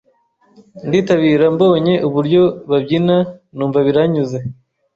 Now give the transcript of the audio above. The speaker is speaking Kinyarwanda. nditabira mbonye uburyo babyina numva biranyuze.